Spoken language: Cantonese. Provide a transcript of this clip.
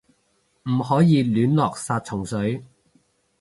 唔可以亂落殺蟲水